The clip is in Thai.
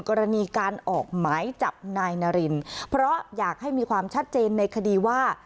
กรณีการออกหมายจับนายนารินเพราะอยากให้มีความชัดเจนในคดีว่า